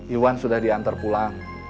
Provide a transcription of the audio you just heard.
iwan sudah diantar pulang